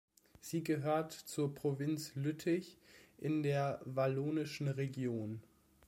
Sie gehört zur Provinz Lüttich in der Wallonischen Region.